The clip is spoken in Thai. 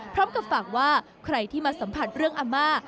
พร้อมกับฝากว่าใครที่มาสัมผัสเรื่องอาม่า